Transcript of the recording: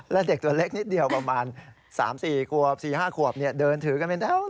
แล้วเด็กตัวเล็กนิดเดียวประมาณสามสี่ขวบสี่ห้าขวบเนี่ยเดินถือกันเป็นแท้วเลย